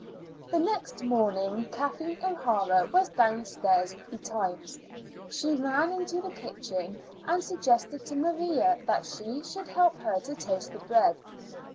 The next morning Kathleen O'Hara was downstairs betimes. She ran into the kitchen and suggested to Maria that she should help her to toast the bread.